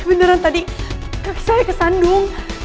beneran tadi saya kesandung